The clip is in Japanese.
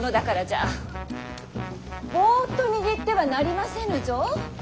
ぼっと握ってはなりませぬぞ。